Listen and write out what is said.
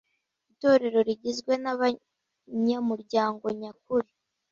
Itorero rigizwe n’abanyamuryango nyakuri